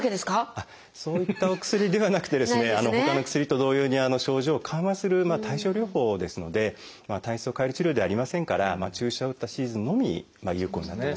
そういったお薬ではなくてですねほかの薬と同様に症状を緩和する対症療法ですので体質を変える治療ではありませんから注射を打ったシーズンのみ有効になってますね。